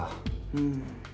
うん。